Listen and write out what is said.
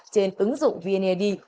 trên ứng dụng vnid